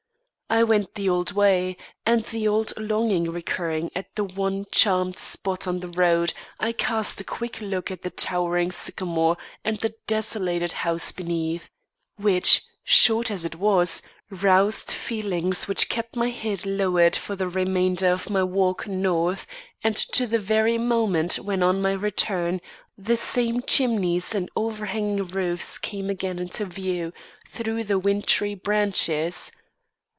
I went the old way; and the old longing recurring at the one charmed spot on the road, I cast a quick look at the towering sycamore and the desolated house beneath, which, short as it was, roused feelings which kept my head lowered for the remainder of my walk north and to the very moment, when, on my return, the same chimneys and overhanging roofs came again into view through the wintry branches.